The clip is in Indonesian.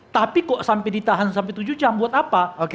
tapi kok sampai ditahan sampai tujuh jam buat apa